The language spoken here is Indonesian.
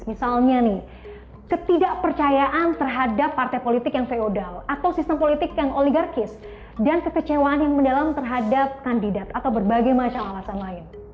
misalnya nih ketidakpercayaan terhadap partai politik yang feodal atau sistem politik yang oligarkis dan kekecewaan yang mendalam terhadap kandidat atau berbagai macam alasan lain